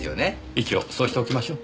一応そうしておきましょう。